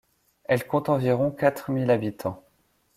Elle compte environ quatre mille habitants.